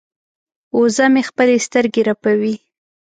وزه مې خپلې سترګې رپوي.